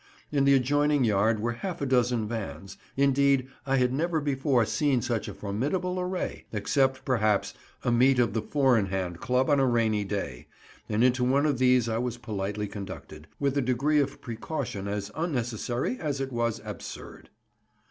In the adjoining yard were half a dozen vans—indeed, I had never before seen such a formidable array, except, perhaps, a meet of the four in hand club on a rainy day—and into one of these I was politely conducted, with a degree of precaution as unnecessary as it was absurd.